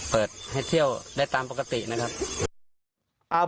เปิดให้เที่ยวได้ตามปกตินะครับ